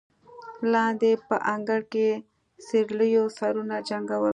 لاندې په انګړ کې سېرليو سرونه جنګول.